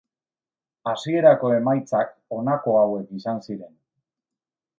Hasierako emaitzak, honako hauek izan ziren.